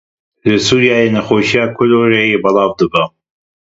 Li Sûriyeyê nexweşiya kolerayê belav dibe.